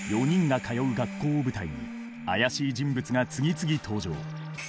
４人が通う学校を舞台に怪しい人物が次々登場。